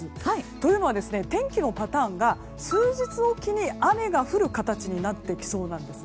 というのは天気のパターンが数日おきに雨が降る形になってきそうなんです。